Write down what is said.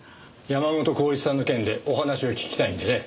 山本幸一さんの件でお話を聞きたいんでね。